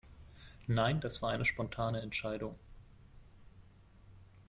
Nein, das war eine spontane Entscheidung.